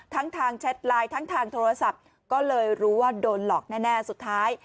ทางแชทไลน์ทั้งทางโทรศัพท์ก็เลยรู้ว่าโดนหลอกแน่สุดท้าย